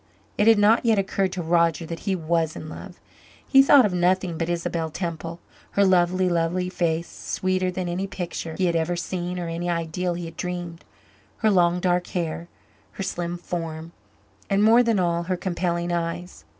It had not yet occurred to Roger that he was in love. He thought of nothing but Isabel Temple her lovely, lovely face, sweeter than any picture he had ever seen or any ideal he had dreamed, her long dark hair, her slim form and, more than all, her compelling eyes.